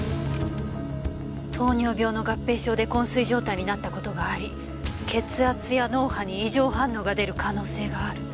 「糖尿病の合併症で昏睡状態になったことがあり血圧や脳波に異常反応が出る可能性がある」。